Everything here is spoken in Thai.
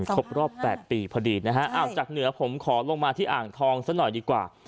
ครบรอบ๘ปีพอดีนะฮะอ้าวจากเหนือผมขอลงมาที่อ่างทองซะหน่อยดีกว่า